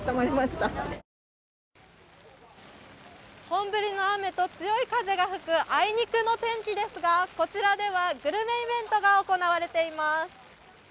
本降りの雨と強い風が吹くあいにくの天気ですが、こちらではグルメイベントが行われています。